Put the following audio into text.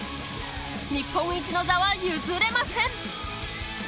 日本一の座は譲れません。